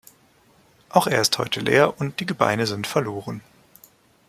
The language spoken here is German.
Auch er ist heute leer und die Gebeine sind verloren.